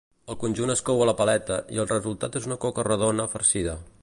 El conjunt es cou a la paleta, i el resultat és una coca redona farcida.